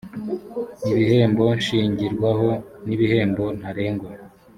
ibihembo nshingirwaho n’ibihembo ntarengwa